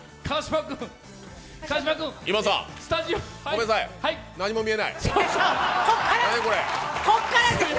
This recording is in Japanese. ごめんなさい、何も見えない何これ？